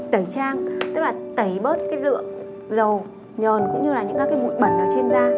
tẩy trang tức là tẩy bớt cái rượu dầu nhòn cũng như là những các cái bụi bẩn ở trên da